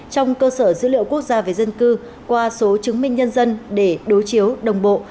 trong cơ sở dữ liệu quốc gia về dân cư qua số chứng minh nhân dân để đối chiếu đồng bộ